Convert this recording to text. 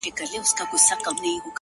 د وطن گل بوټي و نه مري له تندې!!